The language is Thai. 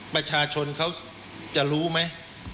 ประชาชนเขาจะรู้ไหม